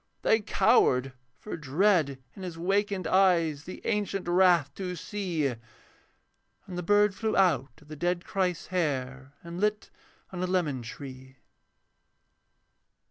They cowered, for dread in his wakened eyes The ancient wrath to see; And the bird flew out of the dead Christ's hair, And lit on a lemon tree.